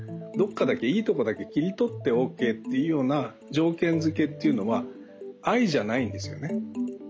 どこかだけいいとこだけ切り取ってＯＫというような条件づけというのは愛じゃないんですよね。